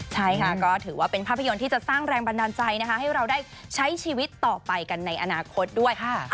ใช่ค่ะก็ถือว่าเป็นภาพยนตร์ที่จะสร้างแรงบันดาลใจนะคะให้เราได้ใช้ชีวิตต่อไปกันในอนาคตด้วย